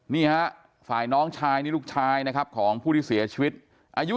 นี่ฮะฝ่ายน้องชายนี่ลูกชายนะครับของผู้ที่เสียชีวิตอายุ